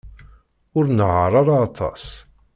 Ur nnehheṛ ara aṭas.